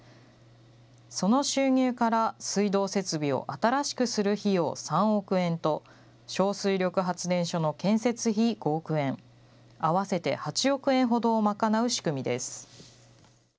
その収入から水道設備を新しくする費用３億円と、小水力発電所の建設費５億円、合わせて８億円ほどを賄う仕組みです。